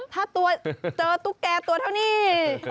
ถ้าเจอตุ๊กแก่ตัวเท่านี้